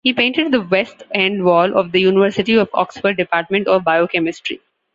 He painted the West End Wall of the University of Oxford Department of Biochemistry.